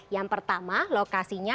yang pertama lokasinya